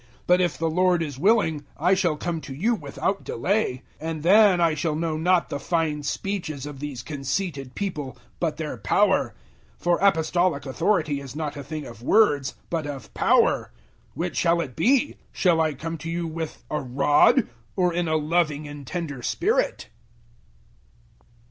004:019 But, if the Lord is willing, I shall come to you without delay; and then I shall know not the fine speeches of these conceited people, but their power. 004:020 For Apostolic authority is not a thing of words, but of power. 004:021 Which shall it be? Shall I come to you with a rod, or in a loving and tender spirit?